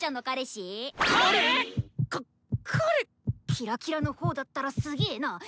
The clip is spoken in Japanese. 彼⁉か彼⁉キラキラの方だったらすげな。